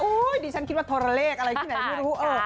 ดิฉันคิดว่าโทรเลขอะไรที่ไหนไม่รู้